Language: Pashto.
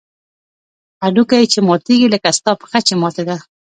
هډوکى چې ماتېږي لکه ستا پښه چې ماته ده.